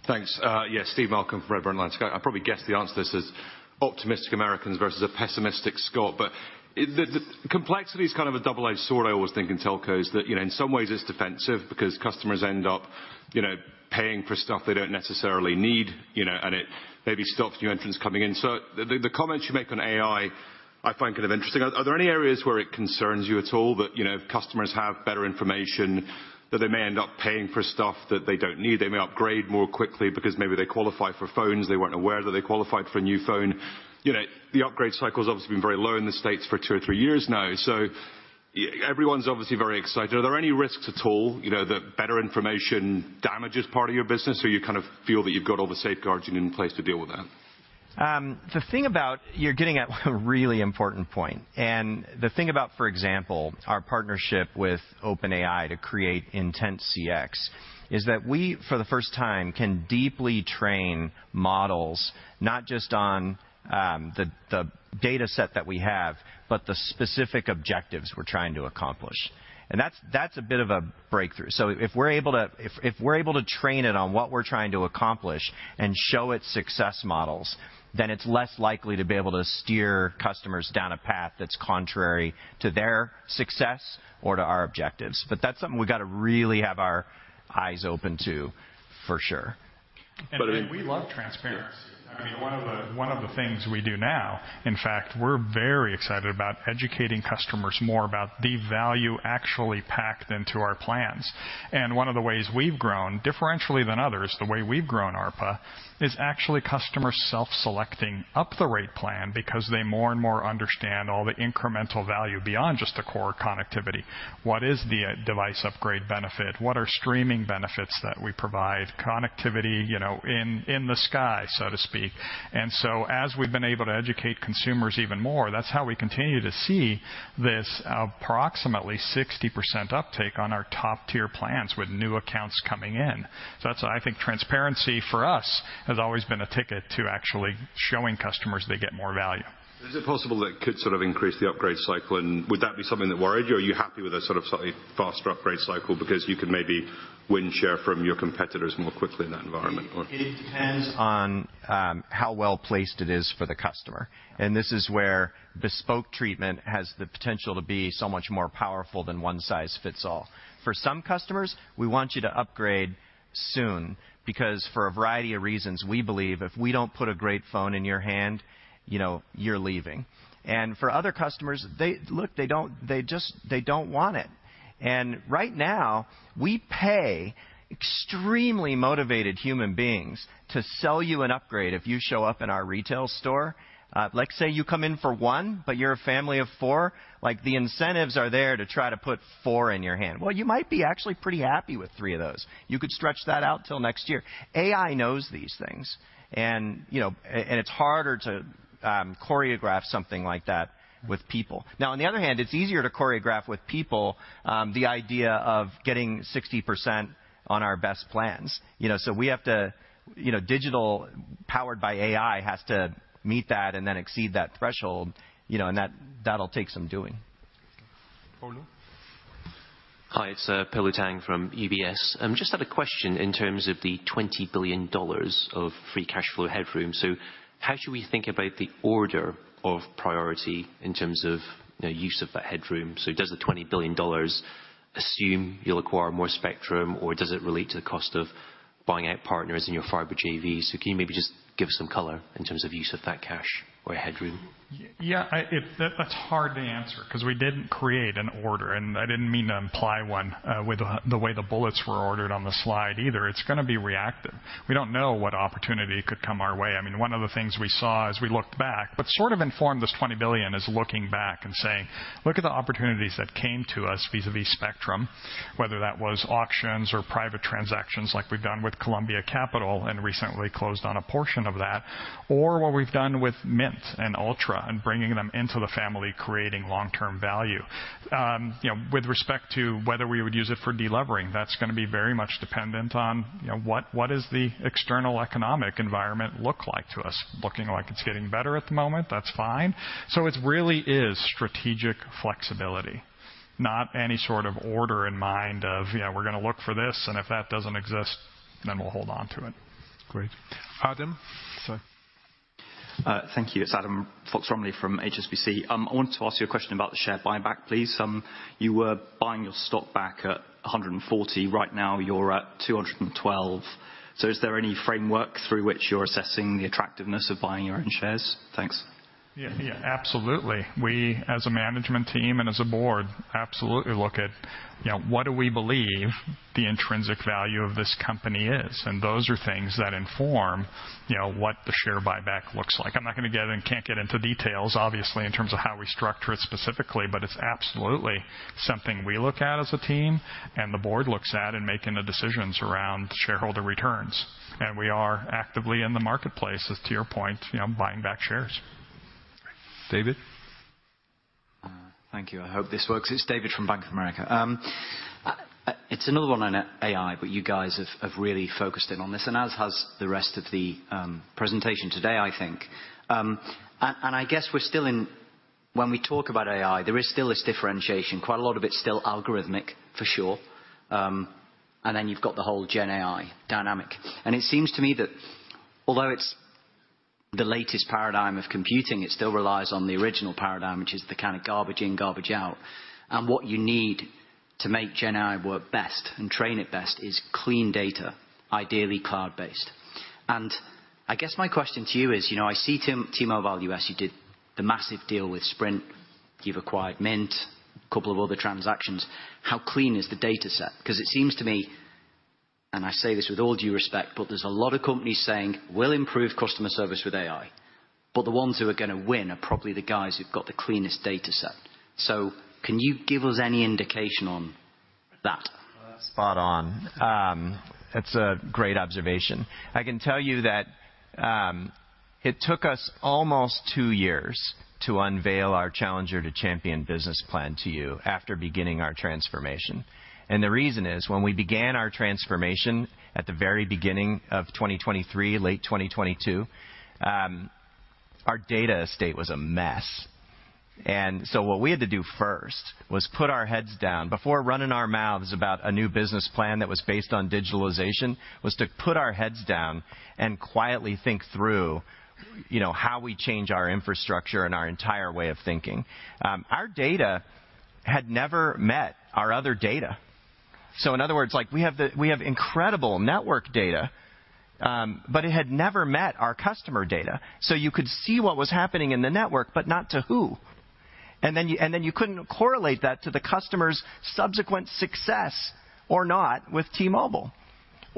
Thanks. Yes, Steve Malcolm from Redburn Atlantic. I probably guessed the answer to this as optimistic Americans versus a pessimistic Scot, but it... The complexity is kind of a double-edged sword, I always think, in telcos, that, you know, in some ways it's defensive because customers end up, you know, paying for stuff they don't necessarily need, you know, and it maybe stops new entrants coming in. So the comments you make on AI, I find kind of interesting. Are there any areas where it concerns you at all that, you know, customers have better information, that they may end up paying for stuff that they don't need? They may upgrade more quickly because maybe they qualify for phones, they weren't aware that they qualified for a new phone. You know, the upgrade cycle has obviously been very low in the States for two or three years now, so everyone's obviously very excited. Are there any risks at all, you know, that better information damages part of your business, or you kind of feel that you've got all the safeguards you need in place to deal with that? The thing about... You're getting at a really important point, and the thing about, for example, our partnership with OpenAI to create IntentCX, is that we, for the first time, can deeply train models, not just on the dataset that we have, but the specific objectives we're trying to accomplish. And that's a bit of a breakthrough. So if we're able to train it on what we're trying to accomplish and show it success models, then it's less likely to be able to steer customers down a path that's contrary to their success or to our objectives. But that's something we've got to really have our eyes open to, for sure. But it- We love transparency. Yes. I mean, one of the things we do now, in fact, we're very excited about educating customers more about the value actually packed into our plans. And one of the ways we've grown differentially than others, the way we've grown ARPA, is actually customers self-selecting up the rate plan because they more and more understand all the incremental value beyond just the core connectivity. What is the device upgrade benefit? What are streaming benefits that we provide? Connectivity, you know, in the sky, so to speak. And so as we've been able to educate consumers even more, that's how we continue to see this approximately 60% uptake on our top-tier plans with new accounts coming in. So that's why I think transparency for us has always been a ticket to actually showing customers they get more value. Is it possible that could sort of increase the upgrade cycle, and would that be something that worried you, or are you happy with a sort of slightly faster upgrade cycle because you could maybe win share from your competitors more quickly in that environment, or? It depends on how well placed it is for the customer, and this is where bespoke treatment has the potential to be so much more powerful than one size fits all. For some customers, we want you to upgrade soon, because for a variety of reasons, we believe if we don't put a great phone in your hand, you know, you're leaving. For other customers, they... Look, they don't, they just, they don't want it. And right now, we pay extremely motivated human beings to sell you an upgrade if you show up in our retail store. Let's say you come in for one, but you're a family of four, like, the incentives are there to try to put four in your hand. Well, you might be actually pretty happy with three of those. You could stretch that out till next year. AI knows these things, and, you know, and it's harder to choreograph something like that with people. Now, on the other hand, it's easier to choreograph with people, the idea of getting 60% on our best plans, you know, so we have to, you know, digital, powered by AI, has to meet that and then exceed that threshold, you know, and that, that'll take some doing. Polo? Hi, it's Polo Tang from UBS. Just had a question in terms of the $20 billion of free cash flow headroom. So how should we think about the order of priority in terms of, you know, use of that headroom? So does the $20 billion assume you'll acquire more spectrum, or does it relate to the cost of buying out partners in your fiber JVs? So can you maybe just give us some color in terms of use of that cash or headroom? Yeah, that's hard to answer because we didn't create an order, and I didn't mean to imply one with the way the bullets were ordered on the slide either. It's gonna be reactive. We don't know what opportunity could come our way. I mean, one of the things we saw as we looked back, but sort of informed this $20 billion, is looking back and saying: Look at the opportunities that came to us vis-a-vis spectrum, whether that was auctions or private transactions like we've done with Columbia Capital and recently closed on a portion of that, or what we've done with Mint and Ultra and bringing them into the family, creating long-term value. You know, with respect to whether we would use it for de-levering, that's gonna be very much dependent on, you know, what is the external economic environment look like to us? Looking like it's getting better at the moment, that's fine. So it really is strategic flexibility, not any sort of order in mind of, you know, we're gonna look for this, and if that doesn't exist, then we'll hold on to it. Great. Adam, sir?... Thank you. It's Adam Fox-Rumley from HSBC. I wanted to ask you a question about the share buyback, please. You were buying your stock back at a hundred and forty. Right now, you're at two hundred and twelve. So is there any framework through which you're assessing the attractiveness of buying your own shares? Thanks. Yeah. Yeah, absolutely. We, as a management team and as a board, absolutely look at, you know, what do we believe the intrinsic value of this company is, and those are things that inform, you know, what the share buyback looks like. I'm not gonna get in, can't get into details, obviously, in terms of how we structure it specifically, but it's absolutely something we look at as a team and the board looks at in making the decisions around shareholder returns, and we are actively in the marketplace, as to your point, you know, buying back shares. David? Thank you. I hope this works. It's David from Bank of America. It's another one on AI, but you guys have really focused in on this, and as has the rest of the presentation today, I think. I guess we're still in... When we talk about AI, there is still this differentiation, quite a lot of it's still algorithmic, for sure, and then you've got the whole GenAI dynamic. And it seems to me that although it's the latest paradigm of computing, it still relies on the original paradigm, which is the kind of garbage in, garbage out, and what you need to make GenAI work best and train it best is clean data, ideally cloud-based. And I guess my question to you is, you know, I see T-Mobile US, you did the massive deal with Sprint. You've acquired Mint, a couple of other transactions. How clean is the data set? 'Cause it seems to me, and I say this with all due respect, but there's a lot of companies saying, "We'll improve customer service with AI," but the ones who are gonna win are probably the guys who've got the cleanest data set. So can you give us any indication on that? Spot on. That's a great observation. I can tell you that, it took us almost two years to unveil our Challenger to Champion business plan to you after beginning our transformation, and the reason is, when we began our transformation at the very beginning of 2023, late 2022, our data estate was a mess, and so what we had to do first was put our heads down. Before running our mouths about a new business plan that was based on digitalization, was to put our heads down and quietly think through, you know, how we change our infrastructure and our entire way of thinking. Our data had never met our other data. So in other words, like, we have incredible network data, but it had never met our customer data. So you could see what was happening in the network, but not to who, and then you couldn't correlate that to the customer's subsequent success or not with T-Mobile,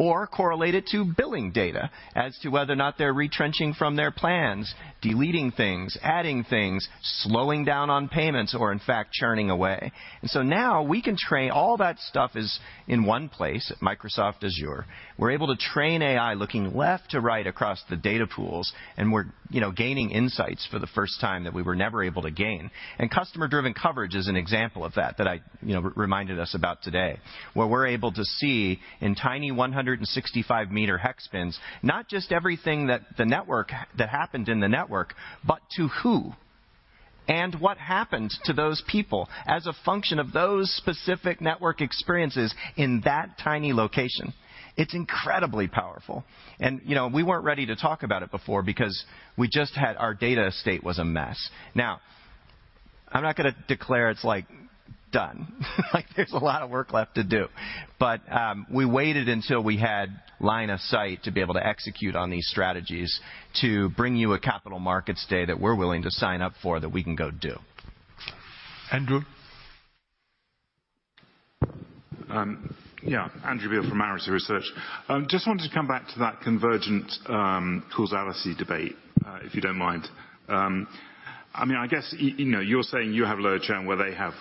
or correlate it to billing data as to whether or not they're retrenching from their plans, deleting things, adding things, slowing down on payments, or in fact, churning away. And so now we can train. All that stuff is in one place, at Microsoft Azure. We're able to train AI looking left to right across the data pools, and we're, you know, gaining insights for the first time that we were never able to gain. And Customer-Driven Coverage is an example of that, that I, you know, reminded us about today, where we're able to see in tiny 165 m hex bins, not just everything that the network, that happened in the network, but to who and what happens to those people as a function of those specific network experiences in that tiny location. It's incredibly powerful. And, you know, we weren't ready to talk about it before because we just had... Our data estate was a mess. Now, I'm not gonna declare it's, like, done. Like, there's a lot of work left to do, but, we waited until we had line of sight to be able to execute on these strategies to bring you a Capital Markets Day that we're willing to sign up for, that we can go do. Andrew? Yeah, Andrew Beale from Arete Research. Just wanted to come back to that convergence causality debate, if you don't mind. I mean, I guess, you know, you're saying you have low churn where they have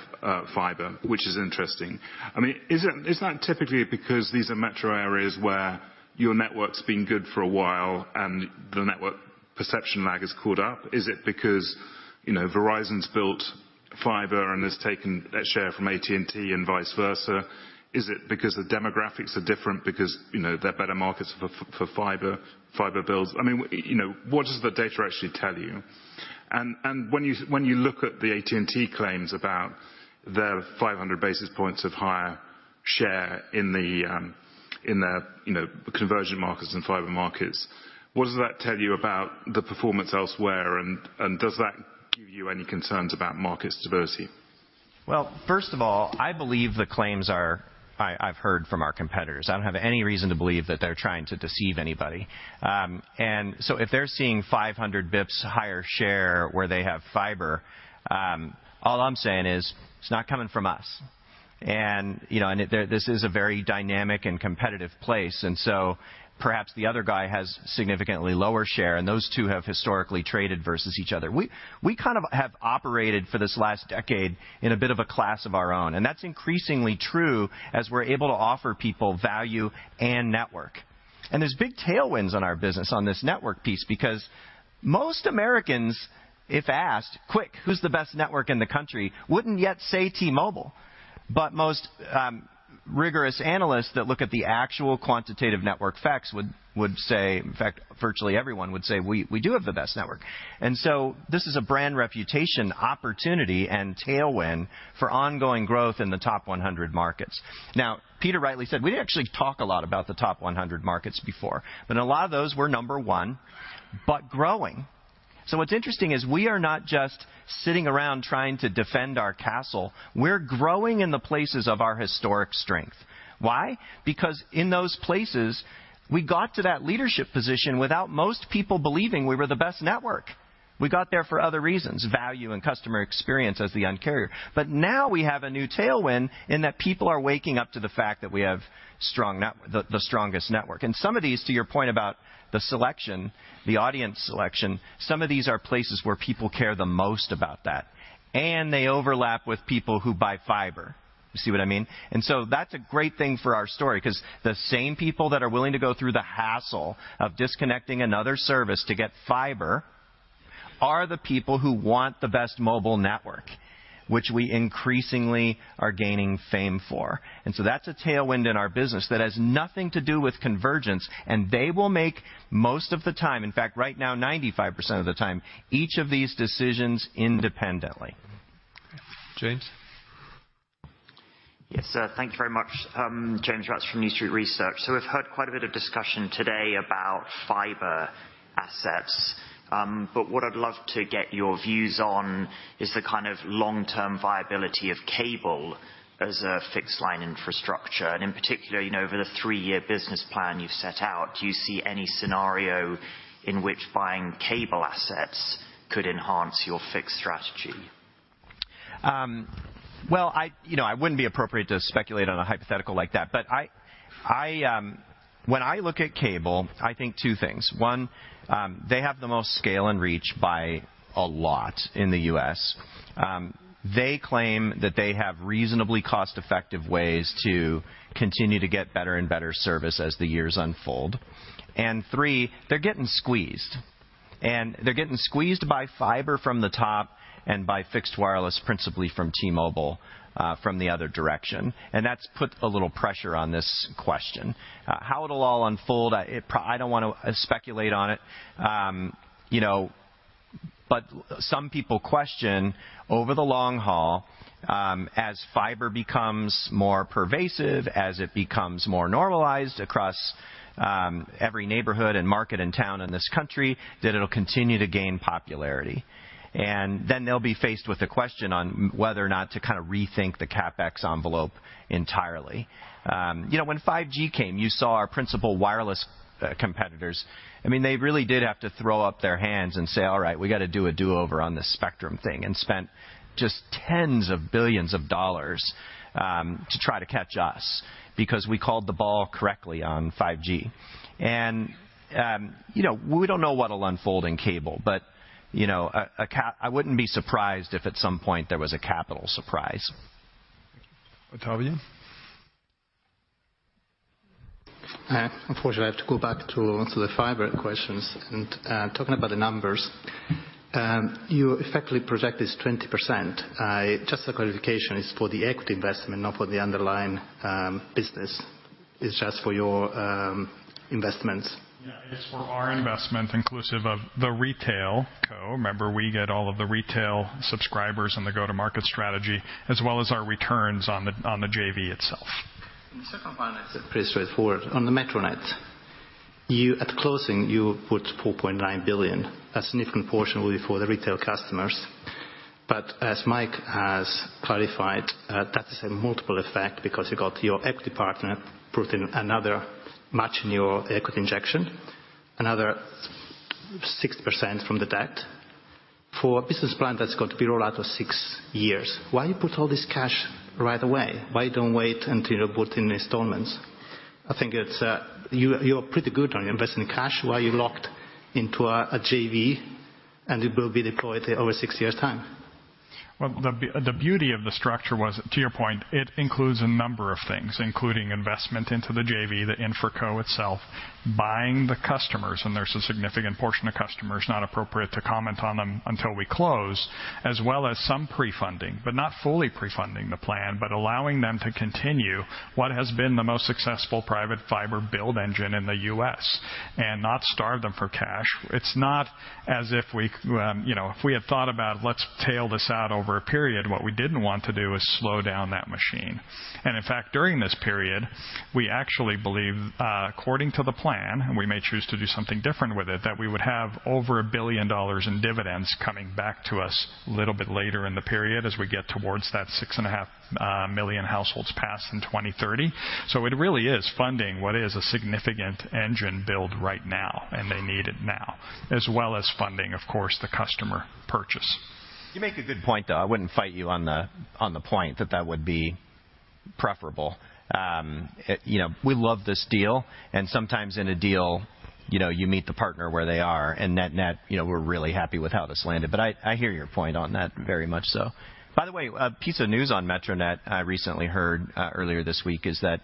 fiber, which is interesting. I mean, is that, is that typically because these are metro areas where your network's been good for a while, and the network perception lag has caught up? Is it because, you know, Verizon's built fiber and has taken their share from AT&T and vice versa? Is it because the demographics are different because, you know, they're better markets for fiber builds? I mean, you know, what does the data actually tell you? When you look at the AT&T claims about their 500 basis points of higher share in their conversion markets and fiber markets, what does that tell you about the performance elsewhere, and does that give you any concerns about market diversity? First of all, I believe the claims are... I, I've heard from our competitors. I don't have any reason to believe that they're trying to deceive anybody. And so if they're seeing 500 basis points higher share where they have fiber, all I'm saying is, it's not coming from us. And, you know, and it... This is a very dynamic and competitive place, and so perhaps the other guy has significantly lower share, and those two have historically traded versus each other. We, we kind of have operated for this last decade in a bit of a class of our own, and that's increasingly true as we're able to offer people value and network. And there's big tailwinds on our business on this network piece because most Americans, if asked, "Quick, who's the best network in the country?" wouldn't yet say T-Mobile, but most rigorous analysts that look at the actual quantitative network facts would say, in fact, virtually everyone would say, we do have the best network. And so this is a brand reputation opportunity and tailwind for ongoing growth in the top 100 markets. Now, Peter rightly said, we didn't actually talk a lot about the top 100 markets before, but a lot of those were number one, but growing. So what's interesting is we are not just sitting around trying to defend our castle. We're growing in the places of our historic strength. Why? Because in those places, we got to that leadership position without most people believing we were the best network. We got there for other reasons, value and customer experience as the Un-carrier. But now we have a new tailwind in that people are waking up to the fact that we have the strongest network. And some of these, to your point about the selection, the audience selection, some of these are places where people care the most about that, and they overlap with people who buy fiber. You see what I mean? And so that's a great thing for our story, 'cause the same people that are willing to go through the hassle of disconnecting another service to get fiber are the people who want the best mobile network, which we increasingly are gaining fame for. So that's a tailwind in our business that has nothing to do with convergence, and they will make most of the time, in fact, right now, 95% of the time, each of these decisions independently. James? Yes, sir. Thank you very much. James Ratzer from New Street Research. So we've heard quite a bit of discussion today about fiber assets, but what I'd love to get your views on is the kind of long-term viability of cable as a fixed line infrastructure, and in particular, you know, over the three-year business plan you've set out, do you see any scenario in which buying cable assets could enhance your fixed strategy? Well, you know, it wouldn't be appropriate to speculate on a hypothetical like that, but I, when I look at cable, I think two things. One, they have the most scale and reach by a lot in the US. They claim that they have reasonably cost-effective ways to continue to get better and better service as the years unfold. And three, they're getting squeezed, and they're getting squeezed by fiber from the top and by fixed wireless, principally from T-Mobile, from the other direction, and that's put a little pressure on this question. How it'll all unfold, I don't want to speculate on it. You know, but some people question over the long haul, as fiber becomes more pervasive, as it becomes more normalized across every neighborhood and market and town in this country, that it'll continue to gain popularity. And then they'll be faced with a question on whether or not to kind of rethink the CapEx envelope entirely. You know, when 5G came, you saw our principal wireless competitors. I mean, they really did have to throw up their hands and say, "All right, we gotta do a do-over on this spectrum thing," and spent just tens of billions of dollars to try to catch us because we called the ball correctly on 5G. And you know, we don't know what'll unfold in cable, but you know, I wouldn't be surprised if at some point there was a capital surprise. Ottavio? Unfortunately, I have to go back to the fiber questions. Talking about the numbers, you effectively project this 20%. Just a clarification, it's for the equity investment, not for the underlying business. It's just for your investments. Yeah, it's for our investment, inclusive of the RetailCo. Remember, we get all of the retail subscribers on the go-to-market strategy, as well as our returns on the JV itself. The second one is pretty straightforward. On the Metronet, at the closing, you put $4.9 billion, a significant portion will be for the retail customers. But as Mike has clarified, that is a multiple effect because you got your equity partner put in another matching your equity injection, another 6% from the debt. For a business plan that's going to be rolled out of six years, why you put all this cash right away? Why you don't wait until you put in installments? I think it's, you, you're pretty good on investing in cash while you locked into a JV, and it will be deployed over six years' time. The beauty of the structure was, to your point, it includes a number of things, including investment into the JV, the InfraCo itself, buying the customers, and there's a significant portion of customers not appropriate to comment on them until we close, as well as some pre-funding, but not fully pre-funding the plan, but allowing them to continue what has been the most successful private fiber build engine in the U.S. and not starve them for cash. It's not as if we, you know, if we had thought about let's tail this out over a period, what we didn't want to do is slow down that machine. In fact, during this period, we actually believe, according to the plan, and we may choose to do something different with it, that we would have over $1 billion in dividends coming back to us a little bit later in the period as we get towards that 6.5 million households passed in 2030. It really is funding what is a significant engine build right now, and they need it now, as well as funding, of course, the customer purchase. You make a good point, though. I wouldn't fight you on the point that that would be preferable. You know, we love this deal, and sometimes in a deal, you know, you meet the partner where they are, and net-net, you know, we're really happy with how this landed, but I hear your point on that, very much so. By the way, a piece of news on Metronet I recently heard earlier this week is that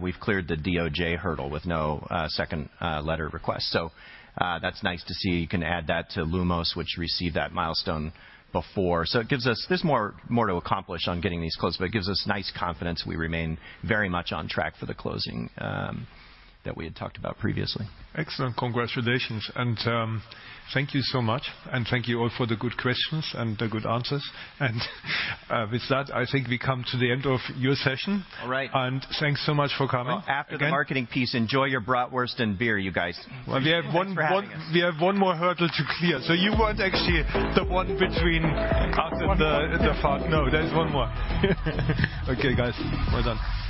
we've cleared the DOJ hurdle with no second letter request, so that's nice to see. You can add that to Lumos, which received that milestone before, so it gives us. There's more to accomplish on getting these closed, but it gives us nice confidence we remain very much on track for the closing that we had talked about previously. Excellent. Congratulations, and thank you so much. And thank you all for the good questions and the good answers. And with that, I think we come to the end of your session. All right. Thanks so much for coming. After the marketing piece, enjoy your bratwurst and beer, you guys. Well, we have one- Thanks for having us. We have one more hurdle to clear. So you weren't actually the one between us and the final. No, there's one more. Okay, guys, well done.